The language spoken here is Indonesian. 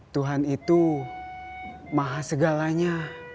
tuhan itu maha segalanya